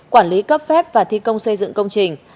quản lý cấp phép và thi công xây dựng công trình